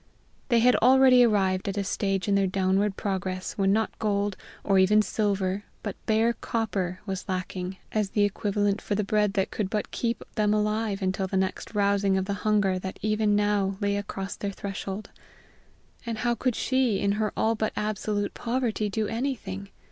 They had already arrived at a stage in their downward progress when not gold, or even silver, but bare copper, was lacking as the equivalent for the bread that could but keep them alive until the next rousing of the hunger that even now lay across their threshold. And how could she, in her all but absolute poverty, do anything?